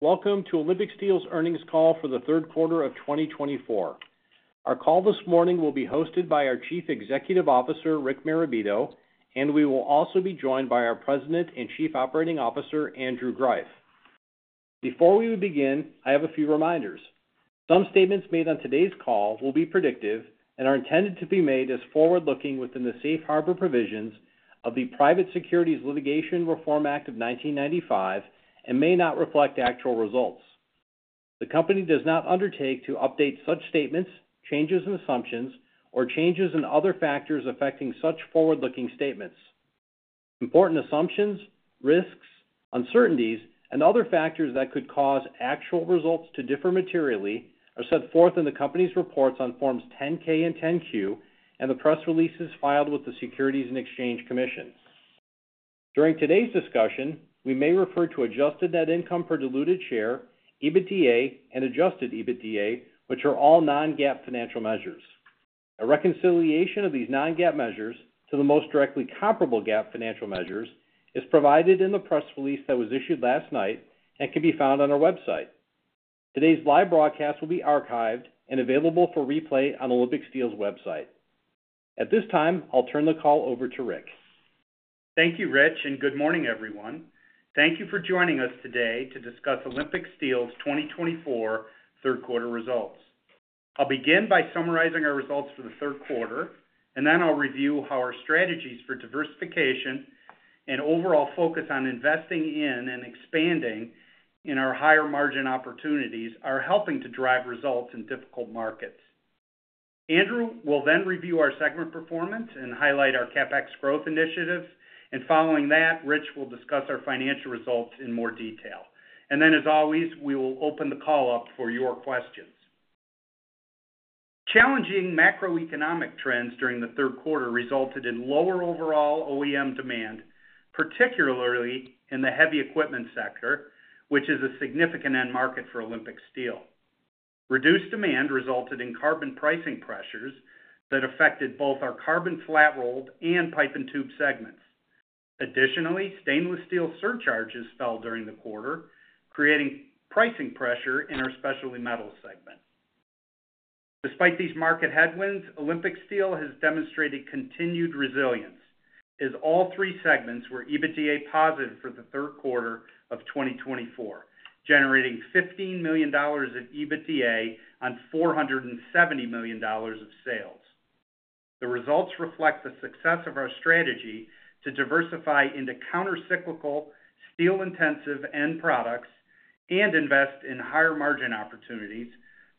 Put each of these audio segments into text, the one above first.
Welcome to Olympic Steel's earnings call for the third quarter of 2024. Our call this morning will be hosted by our Chief Executive Officer, Rick Marabito, and we will also be joined by our President and Chief Operating Officer, Andrew Greiff. Before we begin, I have a few reminders. Some statements made on today's call will be predictive and are intended to be made as forward-looking within the safe harbor provisions of the Private Securities Litigation Reform Act of 1995 and may not reflect actual results. The company does not undertake to update such statements, changes in assumptions, or changes in other factors affecting such forward-looking statements. Important assumptions, risks, uncertainties, and other factors that could cause actual results to differ materially are set forth in the company's reports on Forms 10-K and 10-Q and the press releases filed with the Securities and Exchange Commission. During today's discussion, we may refer to adjusted net income per diluted share, EBITDA, and adjusted EBITDA, which are all non-GAAP financial measures. A reconciliation of these non-GAAP measures to the most directly comparable GAAP financial measures is provided in the press release that was issued last night and can be found on our website. Today's live broadcast will be archived and available for replay on Olympic Steel's website. At this time, I'll turn the call over to Rick. Thank you, Rich, and good morning, everyone. Thank you for joining us today to discuss Olympic Steel's 2024 third-quarter results. I'll begin by summarizing our results for the third quarter, and then I'll review how our strategies for diversification and overall focus on investing in and expanding in our higher margin opportunities are helping to drive results in difficult markets. Andrew will then review our segment performance and highlight our CapEx growth initiatives, and following that, Rich will discuss our financial results in more detail, and then, as always, we will open the call up for your questions. Challenging macroeconomic trends during the third quarter resulted in lower overall OEM demand, particularly in the heavy equipment sector, which is a significant end market for Olympic Steel. Reduced demand resulted in carbon pricing pressures that affected both our carbon flat-rolled and pipe and tube segments. Additionally, stainless steel surcharges fell during the quarter, creating pricing pressure in our specialty metals segment. Despite these market headwinds, Olympic Steel has demonstrated continued resilience as all three segments were EBITDA positive for the third quarter of 2024, generating $15 million of EBITDA on $470 million of sales. The results reflect the success of our strategy to diversify into countercyclical steel-intensive end products and invest in higher margin opportunities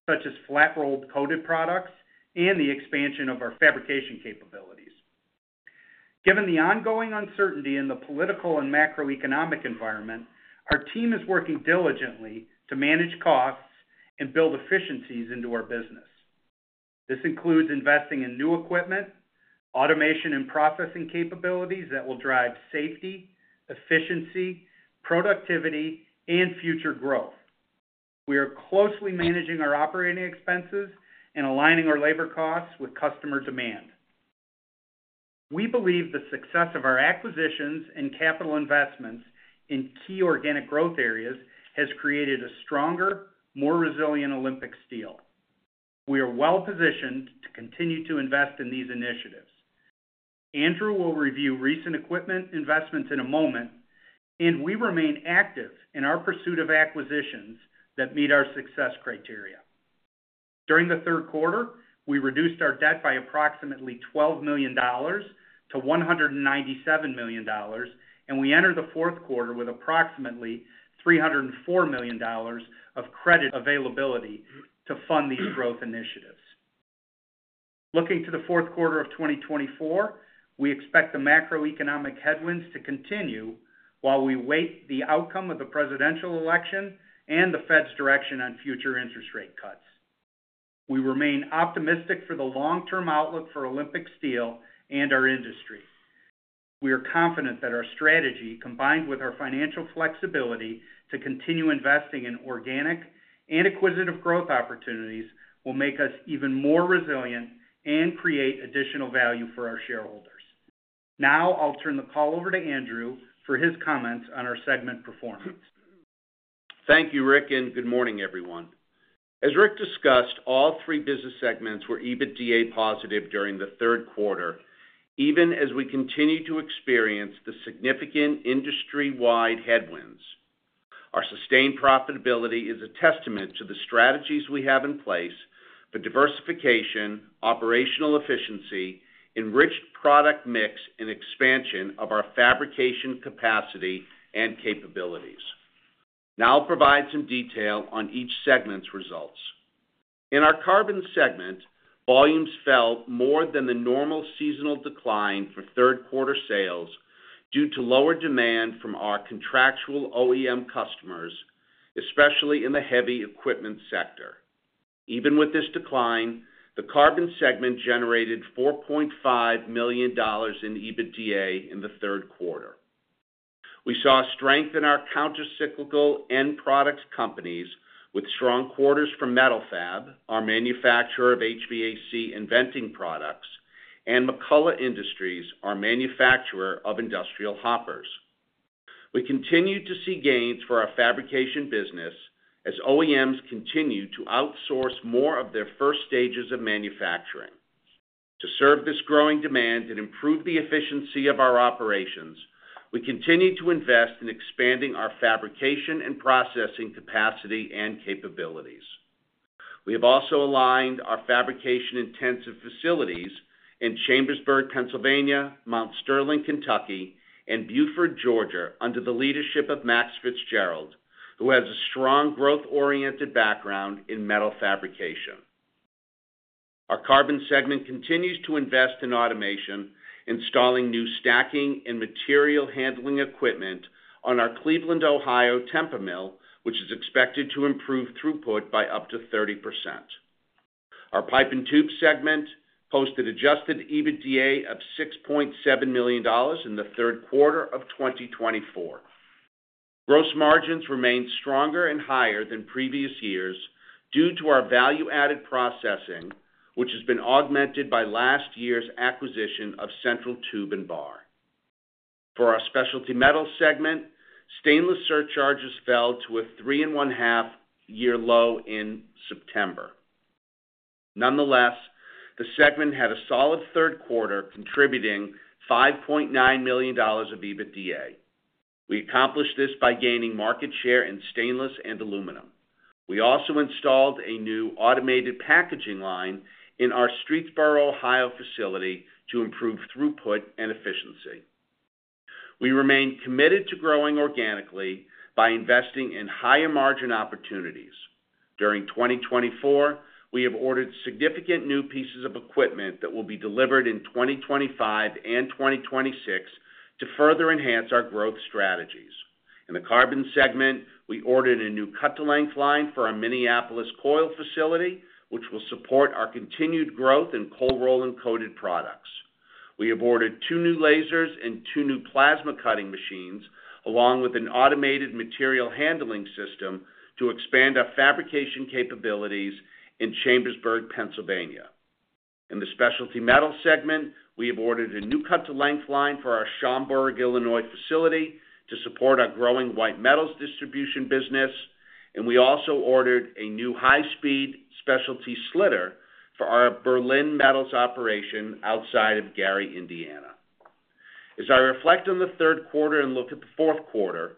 such as flat-rolled coated products and the expansion of our fabrication capabilities. Given the ongoing uncertainty in the political and macroeconomic environment, our team is working diligently to manage costs and build efficiencies into our business. This includes investing in new equipment, automation, and processing capabilities that will drive safety, efficiency, productivity, and future growth. We are closely managing our operating expenses and aligning our labor costs with customer demand. We believe the success of our acquisitions and capital investments in key organic growth areas has created a stronger, more resilient Olympic Steel. We are well-positioned to continue to invest in these initiatives. Andrew will review recent equipment investments in a moment, and we remain active in our pursuit of acquisitions that meet our success criteria. During the third quarter, we reduced our debt by approximately $12 million to $197 million, and we entered the fourth quarter with approximately $304 million of credit availability to fund these growth initiatives. Looking to the fourth quarter of 2024, we expect the macroeconomic headwinds to continue while we wait for the outcome of the presidential election and the Fed's direction on future interest rate cuts. We remain optimistic for the long-term outlook for Olympic Steel and our industry. We are confident that our strategy, combined with our financial flexibility to continue investing in organic and acquisitive growth opportunities, will make us even more resilient and create additional value for our shareholders. Now, I'll turn the call over to Andrew for his comments on our segment performance. Thank you, Rick, and good morning, everyone. As Rick discussed, all three business segments were EBITDA positive during the third quarter, even as we continue to experience the significant industry-wide headwinds. Our sustained profitability is a testament to the strategies we have in place for diversification, operational efficiency, enriched product mix, and expansion of our fabrication capacity and capabilities. Now, I'll provide some detail on each segment's results. In our carbon segment, volumes fell more than the normal seasonal decline for third-quarter sales due to lower demand from our contractual OEM customers, especially in the heavy equipment sector. Even with this decline, the carbon segment generated $4.5 million in EBITDA in the third quarter. We saw strength in our countercyclical end products companies, with strong quarters from Metal-Fab, our manufacturer of HVAC venting products, and McCullough Industries, our manufacturer of industrial hoppers. We continue to see gains for our fabrication business as OEMs continue to outsource more of their first stages of manufacturing. To serve this growing demand and improve the efficiency of our operations, we continue to invest in expanding our fabrication and processing capacity and capabilities. We have also aligned our fabrication-intensive facilities in Chambersburg, Pennsylvania, Mount Sterling, Kentucky, and Buford, Georgia, under the leadership of Max Fitzgerald, who has a strong growth-oriented background in metal fabrication. Our carbon segment continues to invest in automation, installing new stacking and material handling equipment on our Cleveland, Ohio temper mill, which is expected to improve throughput by up to 30%. Our pipe and tube segment posted adjusted EBITDA of $6.7 million in the third quarter of 2024. Gross margins remain stronger and higher than previous years due to our value-added processing, which has been augmented by last year's acquisition of Central Tube and Bar. For our specialty metals segment, stainless surcharges fell to a three-and-one-half-year low in September. Nonetheless, the segment had a solid third quarter, contributing $5.9 million of EBITDA. We accomplished this by gaining market share in stainless and aluminum. We also installed a new automated packaging line in our Streetsboro, Ohio facility to improve throughput and efficiency. We remain committed to growing organically by investing in higher margin opportunities. During 2024, we have ordered significant new pieces of equipment that will be delivered in 2025 and 2026 to further enhance our growth strategies. In the carbon segment, we ordered a new cut-to-length line for our Minneapolis coil facility, which will support our continued growth in cold-rolled and coated products. We have ordered two new lasers and two new plasma cutting machines, along with an automated material handling system to expand our fabrication capabilities in Chambersburg, Pennsylvania. In the specialty metals segment, we have ordered a new cut-to-length line for our Schaumburg, Illinois facility to support our growing white metals distribution business, and we also ordered a new high-speed specialty slitter for our Berlin Metals operation outside of Gary, Indiana. As I reflect on the third quarter and look at the fourth quarter,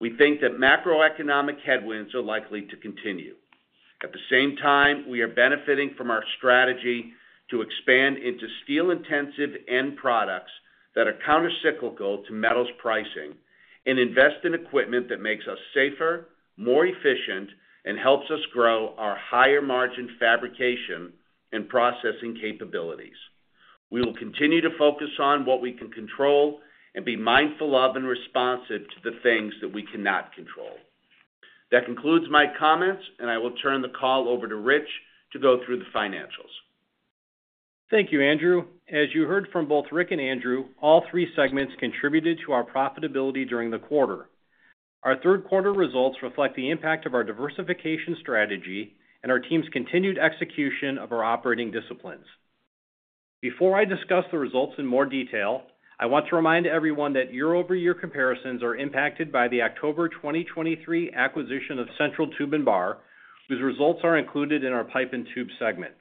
we think that macroeconomic headwinds are likely to continue. At the same time, we are benefiting from our strategy to expand into steel-intensive end products that are countercyclical to metals pricing and invest in equipment that makes us safer, more efficient, and helps us grow our higher margin fabrication and processing capabilities. We will continue to focus on what we can control and be mindful of and responsive to the things that we cannot control. That concludes my comments, and I will turn the call over to Rich to go through the financials. Thank you, Andrew. As you heard from both Rick and Andrew, all three segments contributed to our profitability during the quarter. Our third-quarter results reflect the impact of our diversification strategy and our team's continued execution of our operating disciplines. Before I discuss the results in more detail, I want to remind everyone that year-over-year comparisons are impacted by the October 2023 acquisition of Central Tube and Bar, whose results are included in our pipe and tube segment.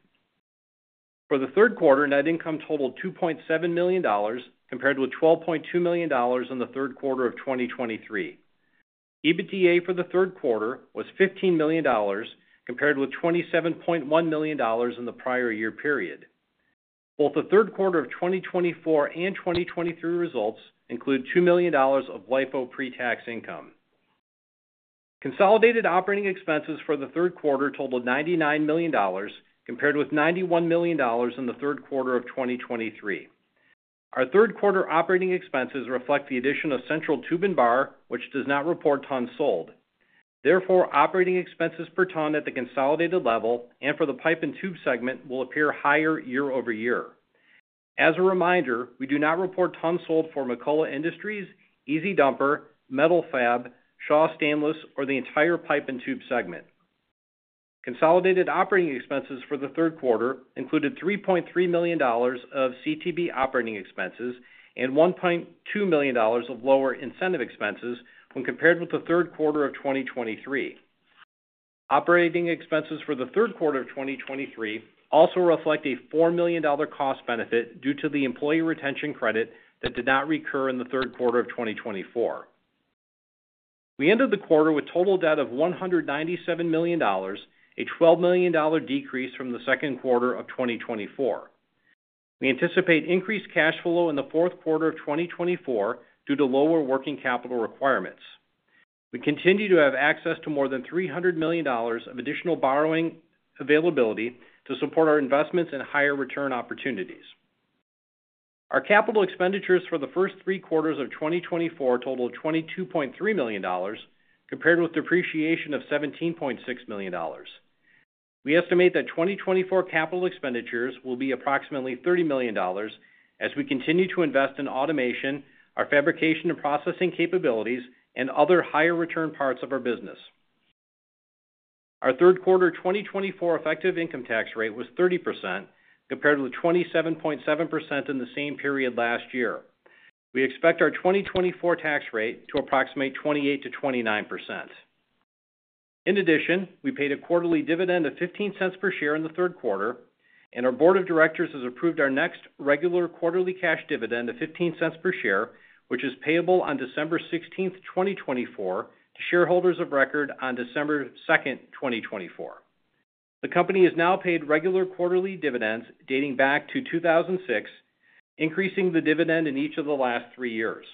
For the third quarter, net income totaled $2.7 million compared with $12.2 million in the third quarter of 2023. EBITDA for the third quarter was $15 million compared with $27.1 million in the prior year period. Both the third quarter of 2024 and 2023 results include $2 million of LIFO pre-tax income. Consolidated operating expenses for the third quarter totaled $99 million compared with $91 million in the third quarter of 2023. Our third-quarter operating expenses reflect the addition of Central Tube and Bar, which does not report tons sold. Therefore, operating expenses per ton at the consolidated level and for the pipe and tube segment will appear higher year-over-year. As a reminder, we do not report tons sold for McCullough Industries, EZ-Dumper, Metal-Fab, Shaw Stainless, or the entire pipe and tube segment. Consolidated operating expenses for the third quarter included $3.3 million of CTB operating expenses and $1.2 million of lower incentive expenses when compared with the third quarter of 2023. Operating expenses for the third quarter of 2023 also reflect a $4 million cost benefit due to the Employee Retention Credit that did not recur in the third quarter of 2024. We ended the quarter with total debt of $197 million, a $12 million decrease from the second quarter of 2024. We anticipate increased cash flow in the fourth quarter of 2024 due to lower working capital requirements. We continue to have access to more than $300 million of additional borrowing availability to support our investments and higher return opportunities. Our capital expenditures for the first three quarters of 2024 totaled $22.3 million compared with depreciation of $17.6 million. We estimate that 2024 capital expenditures will be approximately $30 million as we continue to invest in automation, our fabrication and processing capabilities, and other higher return parts of our business. Our third quarter 2024 effective income tax rate was 30% compared with 27.7% in the same period last year. We expect our 2024 tax rate to approximate 28%-29%. In addition, we paid a quarterly dividend of $0.15 per share in the third quarter, and our board of directors has approved our next regular quarterly cash dividend of $0.15 per share, which is payable on December 16th, 2024, to shareholders of record on December 2nd, 2024. The company has now paid regular quarterly dividends dating back to 2006, increasing the dividend in each of the last three years.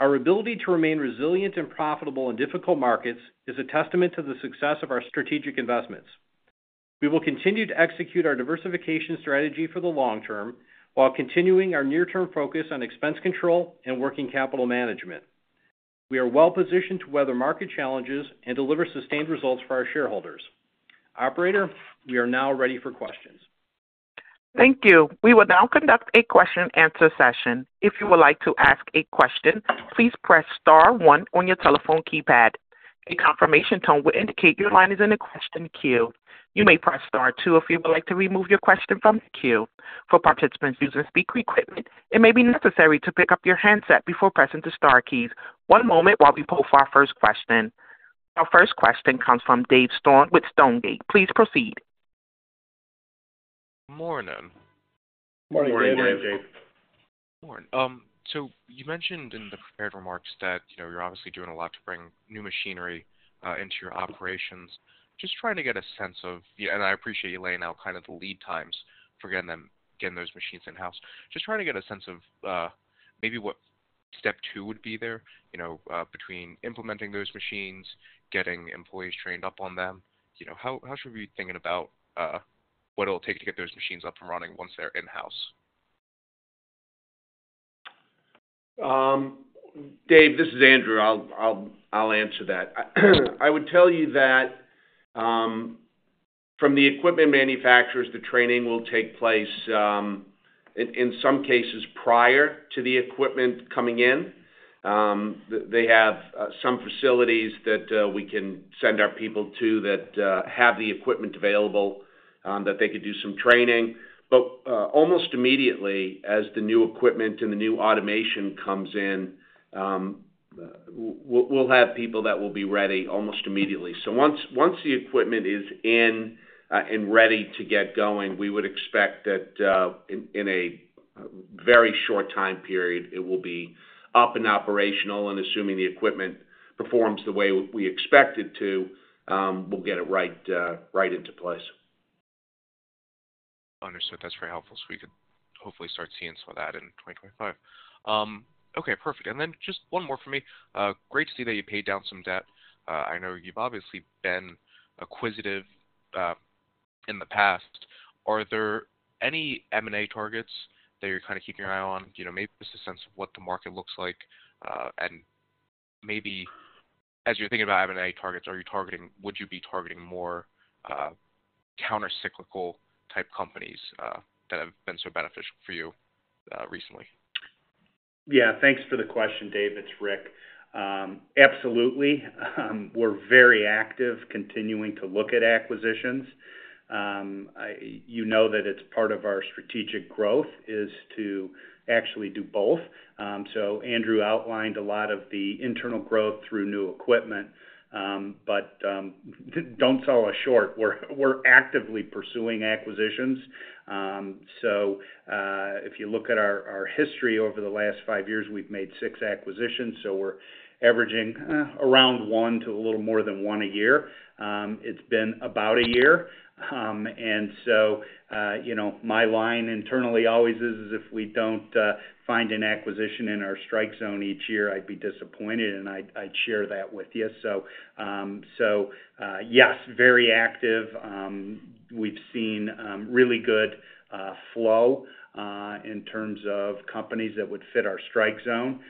Our ability to remain resilient and profitable in difficult markets is a testament to the success of our strategic investments. We will continue to execute our diversification strategy for the long term while continuing our near-term focus on expense control and working capital management. We are well-positioned to weather market challenges and deliver sustained results for our shareholders. Operator, we are now ready for questions. Thank you. We will now conduct a question-and-answer session. If you would like to ask a question, please press Star one on your telephone keypad. A confirmation tone will indicate your line is in a question queue. You may press Star two if you would like to remove your question from the queue. For participants using speaker equipment, it may be necessary to pick up your handset before pressing the Star keys. One moment while we pull for our first question. Our first question comes from Dave Storms with Stonegate. Please proceed. Morning. Morning, Dave. Morning. So you mentioned in the prepared remarks that you're obviously doing a lot to bring new machinery into your operations. Just trying to get a sense of, and I appreciate you laying out kind of the lead times for getting those machines in-house. Just trying to get a sense of maybe what step two would be there between implementing those machines, getting employees trained up on them. How should we be thinking about what it'll take to get those machines up and running once they're in-house? Dave, this is Andrew. I'll answer that. I would tell you that from the equipment manufacturers, the training will take place in some cases prior to the equipment coming in. They have some facilities that we can send our people to that have the equipment available that they could do some training. But almost immediately, as the new equipment and the new automation comes in, we'll have people that will be ready almost immediately. So once the equipment is in and ready to get going, we would expect that in a very short time period, it will be up and operational. And assuming the equipment performs the way we expect it to, we'll get it right into place. Understood. That's very helpful. So we could hopefully start seeing some of that in 2025. Okay, perfect. And then just one more for me. Great to see that you paid down some debt. I know you've obviously been acquisitive in the past. Are there any M&A targets that you're kind of keeping an eye on? Maybe just a sense of what the market looks like. And maybe as you're thinking about M&A targets, would you be targeting more countercyclical type companies that have been so beneficial for you recently? Yeah. Thanks for the question, Dave. It's Rick. Absolutely. We're very active continuing to look at acquisitions. You know that it's part of our strategic growth is to actually do both. So Andrew outlined a lot of the internal growth through new equipment, but don't sell us short. We're actively pursuing acquisitions. So if you look at our history over the last five years, we've made six acquisitions. So we're averaging around one to a little more than one a year. It's been about a year. And so my line internally always is, if we don't find an acquisition in our strike zone each year, I'd be disappointed, and I'd share that with you. So yes, very active. We've seen really good flow in terms of companies that would fit our strike zone.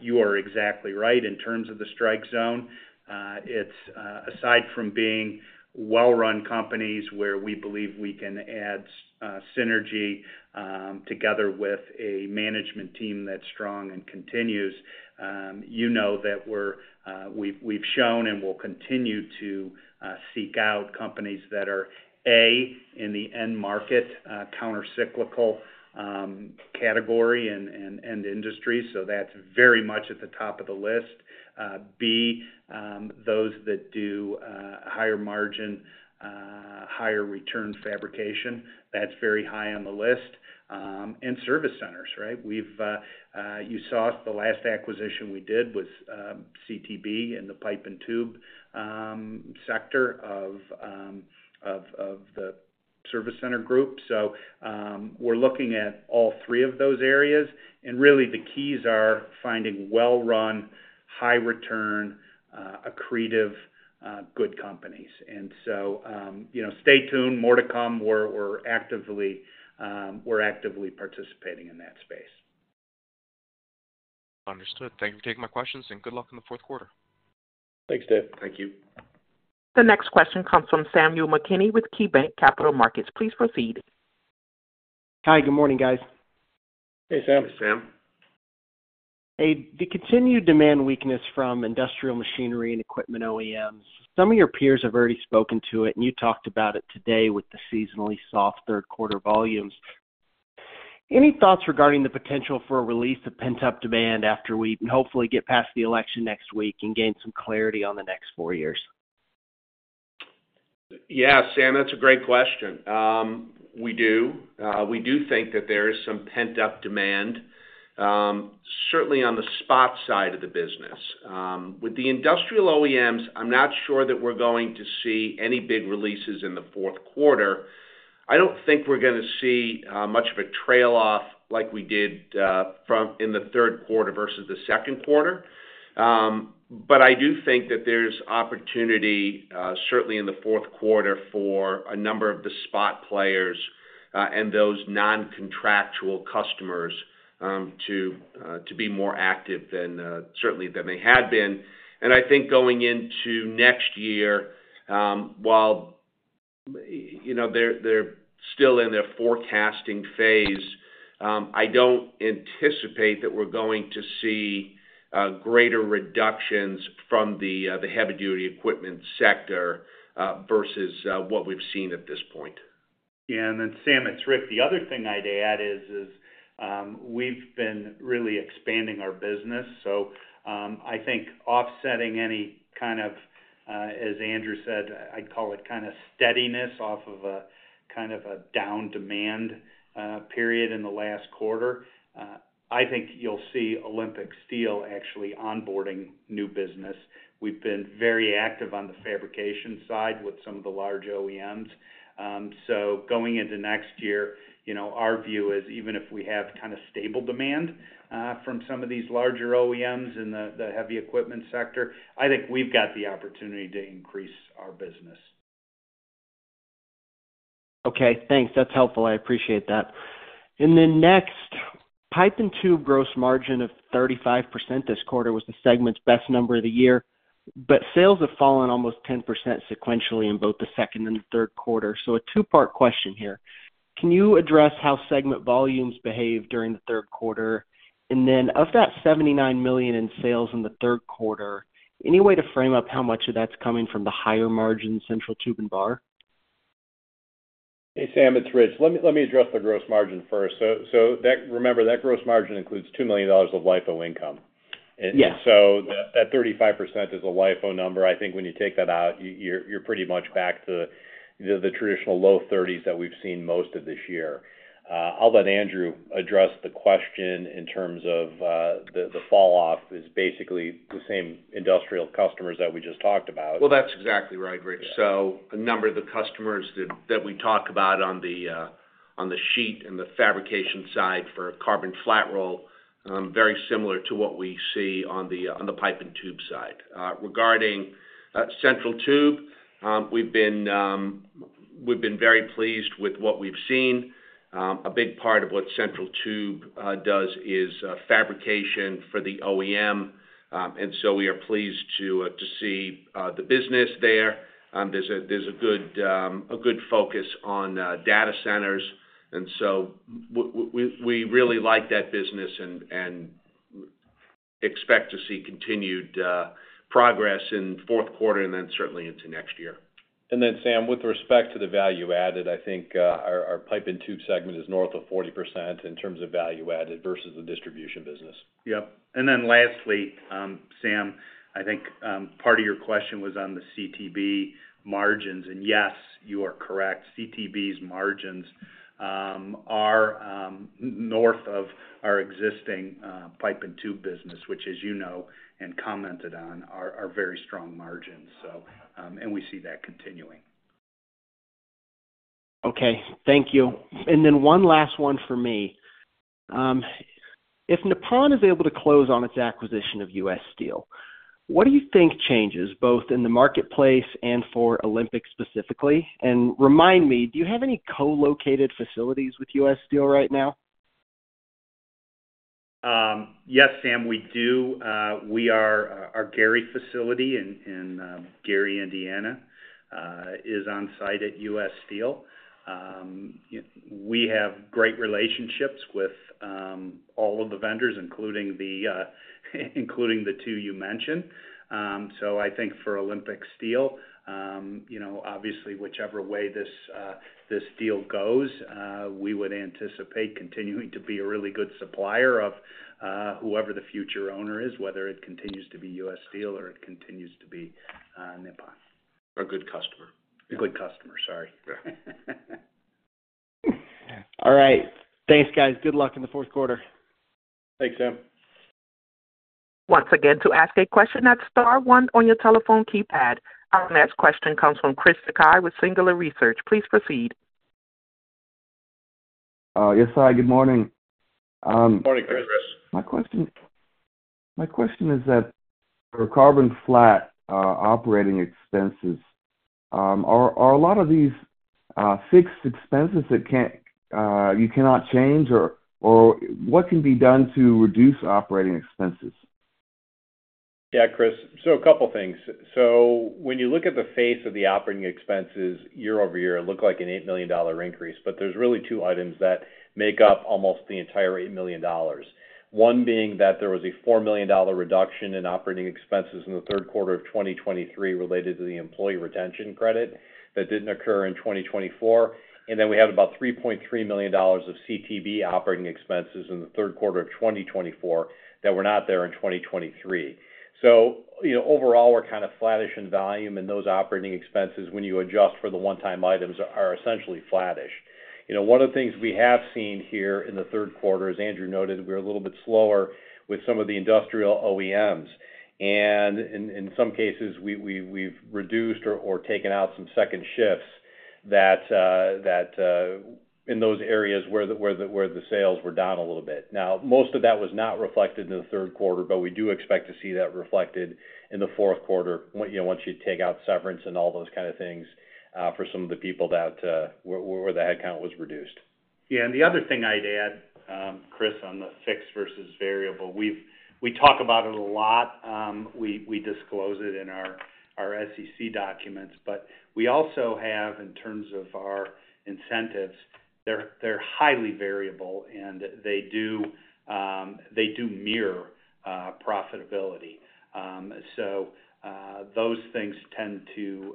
You are exactly right. In terms of the strike zone, aside from being well-run companies where we believe we can add synergy together with a management team that's strong and continues, you know that we've shown and will continue to seek out companies that are, A, in the end market countercyclical category and industry. So that's very much at the top of the list. B, those that do higher margin, higher return fabrication. That's very high on the list. And service centers, right? You saw the last acquisition we did was CTB in the pipe and tube sector of the service center group. So we're looking at all three of those areas. And really, the keys are finding well-run, high-return, accretive, good companies. And so stay tuned. More to come. We're actively participating in that space. Understood. Thank you for taking my questions, and good luck in the fourth quarter. Thanks, Dave. Thank you. The next question comes from Samuel McKinney with KeyBanc Capital Markets. Please proceed. Hi. Good morning, guys. Hey, Sam. Hey, Sam. Hey. The continued demand weakness from industrial machinery and equipment OEMs, some of your peers have already spoken to it, and you talked about it today with the seasonally soft third-quarter volumes. Any thoughts regarding the potential for a release of pent-up demand after we hopefully get past the election next week and gain some clarity on the next four years? Yeah, Sam, that's a great question. We do. We do think that there is some pent-up demand, certainly on the spot side of the business. With the industrial OEMs, I'm not sure that we're going to see any big releases in the fourth quarter. I don't think we're going to see much of a trail off like we did in the third quarter versus the second quarter. But I do think that there's opportunity, certainly in the fourth quarter, for a number of the spot players and those non-contractual customers to be more active than certainly than they had been. And I think going into next year, while they're still in their forecasting phase, I don't anticipate that we're going to see greater reductions from the heavy-duty equipment sector versus what we've seen at this point. Yeah. And then, Sam, it's Rick. The other thing I'd add is we've been really expanding our business. So I think offsetting any kind of, as Andrew said, I'd call it kind of steadiness off of a kind of a down demand period in the last quarter. I think you'll see Olympic Steel actually onboarding new business. We've been very active on the fabrication side with some of the large OEMs. So going into next year, our view is even if we have kind of stable demand from some of these larger OEMs in the heavy equipment sector, I think we've got the opportunity to increase our business. Okay. Thanks. That's helpful. I appreciate that. And then next, pipe and tube gross margin of 35% this quarter was the segment's best number of the year. But sales have fallen almost 10% sequentially in both the second and the third quarter. So a two-part question here. Can you address how segment volumes behave during the third quarter? And then of that $79 million in sales in the third quarter, any way to frame up how much of that's coming from the higher margin Central Tube and Bar? Hey, Sam, it's Rich. Let me address the gross margin first. So remember, that gross margin includes $2 million of LIFO income. And so that 35% is a LIFO number. I think when you take that out, you're pretty much back to the traditional low 30s that we've seen most of this year. I'll let Andrew address the question in terms of the falloff is basically the same industrial customers that we just talked about. Well, that's exactly right, Rich. So a number of the customers that we talk about on the sheet and the fabrication side for carbon flat roll, very similar to what we see on the pipe and tube side. Regarding Central Tube, we've been very pleased with what we've seen. A big part of what Central Tube does is fabrication for the OEM. And so we are pleased to see the business there. There's a good focus on data centers. And so we really like that business and expect to see continued progress in fourth quarter and then certainly into next year. And then, Sam, with respect to the value added, I think our pipe and tube segment is north of 40% in terms of value added versus the distribution business. Yep. And then lastly, Sam, I think part of your question was on the CTB margins. And yes, you are correct. CTB's margins are north of our existing pipe and tube business, which, as you know and commented on, are very strong margins. And we see that continuing. Okay. Thank you. And then one last one for me. If Nippon is able to close on its acquisition of U.S. Steel, what do you think changes both in the marketplace and for Olympic specifically? And remind me, do you have any co-located facilities with U.S. Steel right now? Yes, Sam, we do. Our Gary facility in Gary, Indiana, is on site at U.S. Steel. We have great relationships with all of the vendors, including the two you mentioned. So I think for Olympic Steel, obviously, whichever way this deal goes, we would anticipate continuing to be a really good supplier of whoever the future owner is, whether it continues to be U.S. Steel or it continues to be Nippon. A good customer. A good customer. Sorry. All right. Thanks, guys. Good luck in the fourth quarter. Thanks, Sam. Once again, to ask a question, that's Star 1 on your telephone keypad. Our next question comes from Chris Sakai with Singular Research. Please proceed. Yes, hi. Good morning. Good morning, Chris. My question is that for carbon flat operating expenses, are a lot of these fixed expenses that you cannot change, or what can be done to reduce operating expenses? Yeah, Chris. So a couple of things. So when you look at the face of the operating expenses year over year, it looked like an $8 million increase. But there's really two items that make up almost the entire $8 million. One being that there was a $4 million reduction in operating expenses in the third quarter of 2023 related to the Employee Retention Credit that didn't occur in 2024. And then we had about $3.3 million of CTB operating expenses in the third quarter of 2024 that were not there in 2023. So overall, we're kind of flattish in volume, and those operating expenses, when you adjust for the one-time items, are essentially flattish. One of the things we have seen here in the third quarter, as Andrew noted, we're a little bit slower with some of the industrial OEMs. In some cases, we've reduced or taken out some second shifts in those areas where the sales were down a little bit. Now, most of that was not reflected in the third quarter, but we do expect to see that reflected in the fourth quarter once you take out severance and all those kind of things for some of the people where the headcount was reduced. Yeah. The other thing I'd add, Chris, on the fixed versus variable, we talk about it a lot. We disclose it in our SEC documents. We also have, in terms of our incentives, they're highly variable, and they do mirror profitability. Those things tend to,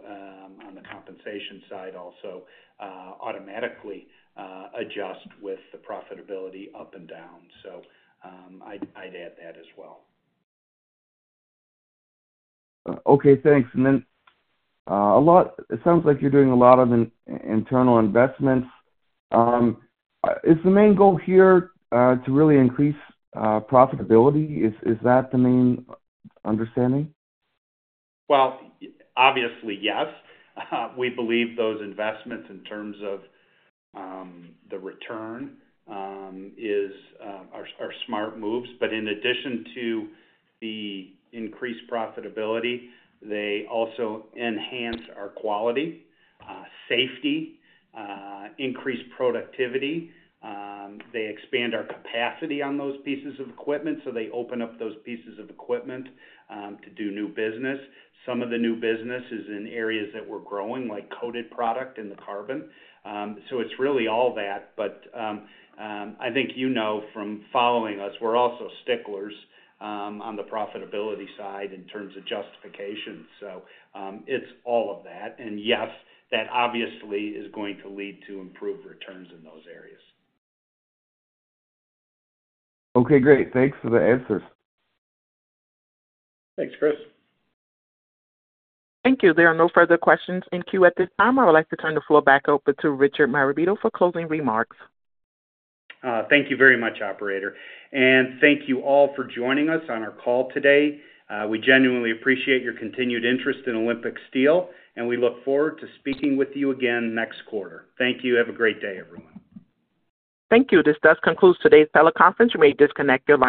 on the compensation side also, automatically adjust with the profitability up and down. I'd add that as well. Okay. Thanks. And then it sounds like you're doing a lot of internal investments. Is the main goal here to really increase profitability? Is that the main understanding? Obviously, yes. We believe those investments in terms of the return are smart moves. But in addition to the increased profitability, they also enhance our quality, safety, increase productivity. They expand our capacity on those pieces of equipment. So they open up those pieces of equipment to do new business. Some of the new business is in areas that we're growing, like coated product and the carbon. So it's really all that. But I think you know from following us, we're also sticklers on the profitability side in terms of justification. So it's all of that. And yes, that obviously is going to lead to improved returns in those areas. Okay. Great. Thanks for the answers. Thanks, Chris. Thank you. There are no further questions in queue at this time. I would like to turn the floor back over to Richard Marabito for closing remarks. Thank you very much, operator. And thank you all for joining us on our call today. We genuinely appreciate your continued interest in Olympic Steel, and we look forward to speaking with you again next quarter. Thank you. Have a great day, everyone. Thank you. This does conclude today's teleconference. You may disconnect your line.